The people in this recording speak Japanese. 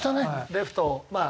レフトまあ